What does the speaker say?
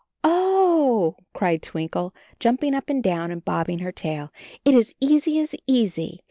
"Oh!" cried Twinkle, jumping up and down and bobbing her tail, "it is easy, as easy.